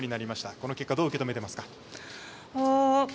この結果どう受け止めていますか？